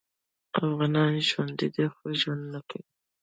افغانان ژوندي دي خو ژوند نکوي